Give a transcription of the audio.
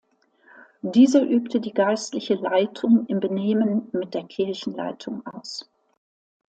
Dieser übte die geistliche Leitung im Benehmen mit der Kirchenleitung aus.